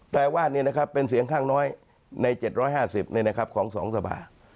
แต่ว่านี่นะครับเป็นเสียงข้างน้อยใน๗๕๐นี่นะครับของ๒สภา